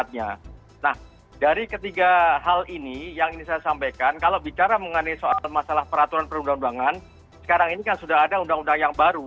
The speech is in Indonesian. nah dari ketiga hal ini yang ingin saya sampaikan kalau bicara mengenai soal masalah peraturan perundang undangan sekarang ini kan sudah ada undang undang yang baru